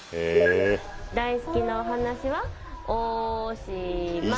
大好きなお話はおしまい。